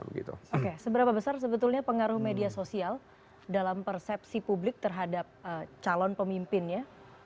oke seberapa besar sebetulnya pengaruh media sosial dalam persepsi publik terhadap calon pemimpinnya